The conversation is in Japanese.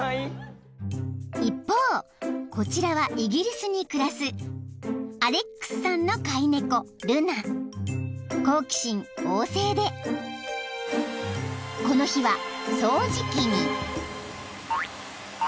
［一方こちらはイギリスに暮らすアレックスさんの飼い猫］［好奇心旺盛でこの日は掃除機に］